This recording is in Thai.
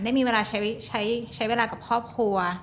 ได้มีเวลาใช้เวลากับครอบครัว